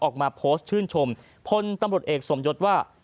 ออกมาโพสต์ชื่นชมพลตำรวจเอกสมยศว่า